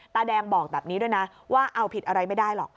ตาแดงบอกแบบนี้ด้วยนะว่าเอาผิดอะไรไม่ได้หรอก